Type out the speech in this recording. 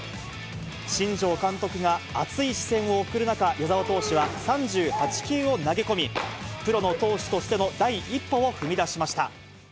新庄監督が、熱い視線を送る中、矢澤投手は３８球を投げ込み、プロの投手としての第一歩を踏み出しました。